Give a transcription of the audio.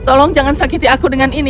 tolong jangan sakiti aku dengan ini